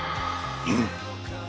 うん。